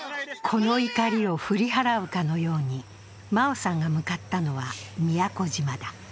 この怒りを振り払うかのように真生さんが向かったのは宮古島だ。